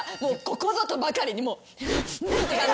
ここぞとばかりにもう。